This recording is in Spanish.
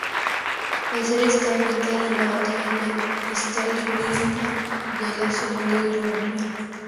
La serie está ambientada en la Batalla de Stalingrado de la Segunda Guerra Mundial.